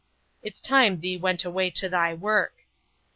"It's time thee went away to thy work."